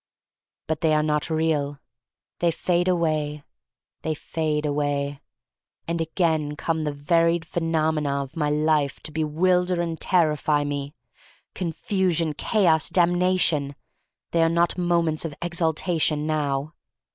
But they are not real. They fade away — they fade away. And again come the varied phe nomena of my life to bewilder and ter rify me. Confusion! Chaos! Damnation! They are not moments of exaltation now.